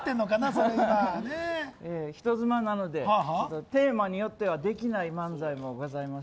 人妻なのでテーマによってはできないものもございます。